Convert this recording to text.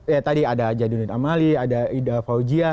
ya tadi ada jadudin amali ada ida fauzia